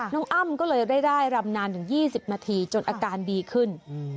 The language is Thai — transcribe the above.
อ้ำก็เลยได้รำนานถึง๒๐นาทีจนอาการดีขึ้น